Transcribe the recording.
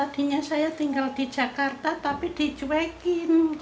tadinya saya tinggal di jakarta tapi dicuekin